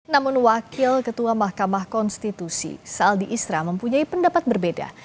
namun wakil ketua mahkamah konstitusi saldi isra mempunyai pendapat berbeda